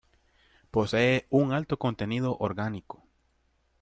Poseen un alto contenido orgánico.